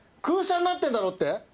空車になってんだろって？